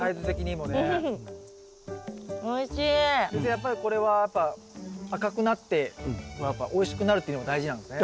やっぱりこれはやっぱ赤くなってやっぱおいしくなるっていうのが大事なんですね。